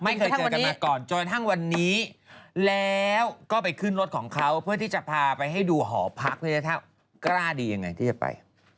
ไม่เคยเจอกันมาก่อนจนทั้งวันนี้